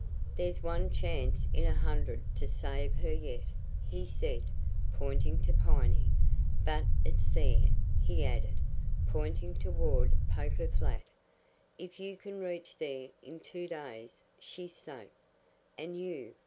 "There's one chance in a hundred to save her yet," he said, pointing to Piney; "but it's there," he added, pointing toward Poker Flat. "If you can reach there in two days she's safe." "And you?"